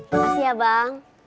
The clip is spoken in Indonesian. makasih ya bang